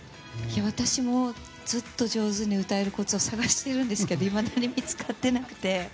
私もずっと上手に歌えるコツを探してるんですけどいまだに見つかってなくて。